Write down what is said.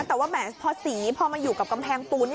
แต่ว่าแหมพอสีพอมาอยู่กับกำแพงปูนนี่